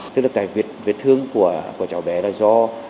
tức là cái vết thương của cháu bé là do